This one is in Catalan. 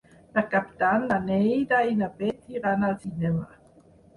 Per Cap d'Any na Neida i na Bet iran al cinema.